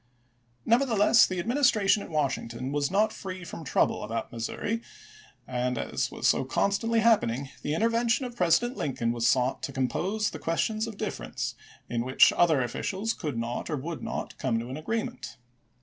Nevertheless, the Admmistration p ss. at Washington was not free from trouble about Missouri, and as was so constantly happening, the intervention of President Lincoln was sought to compose the questions of difference in which other officials could not or would not come to an agree ment.